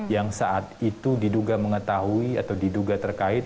yang saat itu diduga mengetahui atau diduga terkait